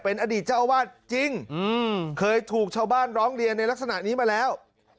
อดีตเจ้าอาวาสจริงเคยถูกชาวบ้านร้องเรียนในลักษณะนี้มาแล้ว